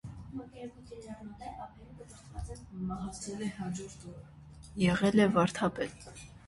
Եղել է վարդապետ։